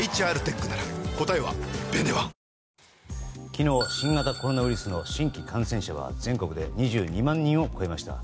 昨日新型コロナウイルスの新規感染者は全国で２２万人を超えました。